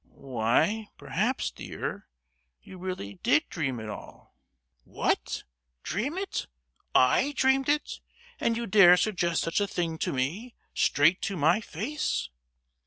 "Why, perhaps, dear, you really did dream it all!" "What? dream it! I dreamed it? And you dare suggest such a thing to me—straight to my face?"